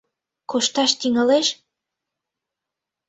— Кошташ тӱҥалеш?